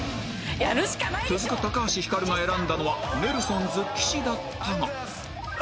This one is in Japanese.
続く橋ひかるが選んだのはネルソンズ岸だったが